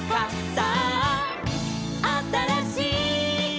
「さああたらしい」